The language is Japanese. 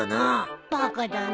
バカだね。